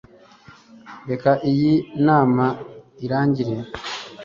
Reka iyi nama irangire